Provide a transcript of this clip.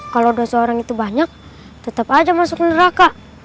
kalau dosa orang itu banyak tetep aja masuk neraka